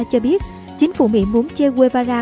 cho biết chính phủ mỹ muốn che guevara